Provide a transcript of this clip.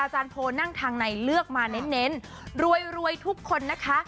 อาจารย์โภนั่งทางในเลือกมาเน้นเน้นรวยรวยทุกคนนะคะ